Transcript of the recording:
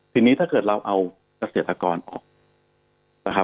ทีนี้ถ้าเกิดเราเอาเกษตรกรออกนะครับ